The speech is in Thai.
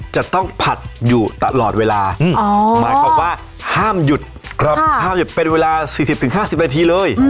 จะต้องผัดอยู่ตลอดเวลาอ๋อหมายความว่าห้ามหยุดครับห้ามหยุดเป็นเวลาสี่สิบถึงห้าสิบนาทีเลย